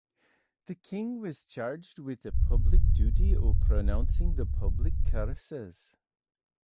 The king was charged with the duty of pronouncing the public curses.